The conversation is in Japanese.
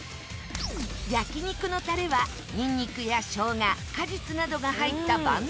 焼肉のタレはニンニクやしょうが果実などが入った万能調味料。